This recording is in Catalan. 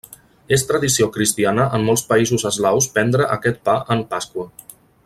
És tradició cristiana en molts països eslaus prendre aquest pa en Pasqua.